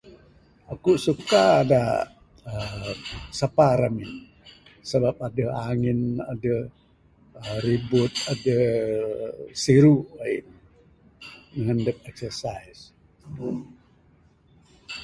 Aku suka da aaa..., sapa ramin, sebab aduh angin, aduh aa.. ribut, aduh siru ain, nan adup exercise.